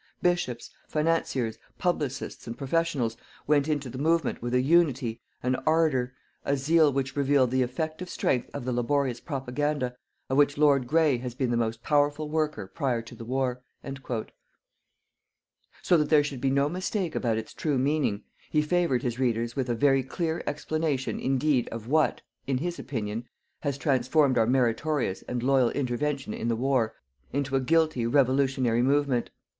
BISHOPS, _financiers, publicists and professionals went into the movement with a unity, an ardour, a zeal which reveal the effective strength of the laborious propaganda of which Lord Grey has been the most powerful worker prior to the war_." So that there should be no mistake about its true meaning, he favoured his readers with a very clear explanation indeed of what, in his opinion, has transformed our meritorious and loyal intervention in the war into a guilty revolutionary movement.